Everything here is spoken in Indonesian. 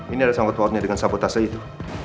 ini ada sangkut kotnya dengan sapu tasnya itu